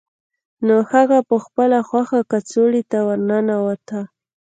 نو هغه په خپله خوښه کڅوړې ته ورننوته